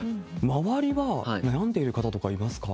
周りは悩んでいる方とかいますか？